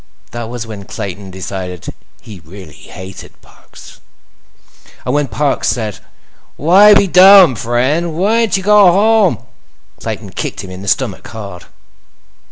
That was when Clayton decided he really hated Parks. And when Parks said: "Why be dumb, friend? Whyn't you go home?" Clayton kicked him in the stomach, hard.